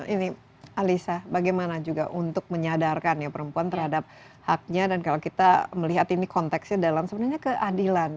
ini alisa bagaimana juga untuk menyadarkan ya perempuan terhadap haknya dan kalau kita melihat ini konteksnya dalam sebenarnya keadilan